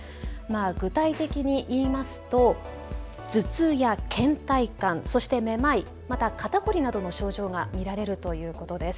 具体的に言いますと頭痛やけん怠感、そしてめまい、また肩凝りなどの症状が見られるということです。